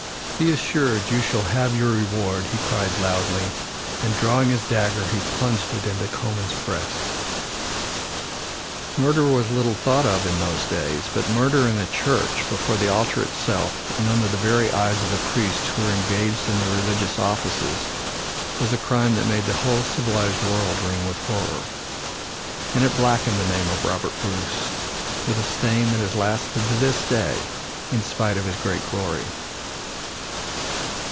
"Be assured you shall have your reward," he cried loudly, and drawing his dagger he plunged it in Comyn's breast. Murder was little thought of in those days, but murder in a church, before the altar itself and under the very eyes of the priests who were engaged in their religious offices, was a crime that made the whole civilized world ring with horror. And it blackened the name of Robert Bruce with a stain that has lasted to this day, in spite of his great glory.